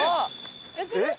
えっ！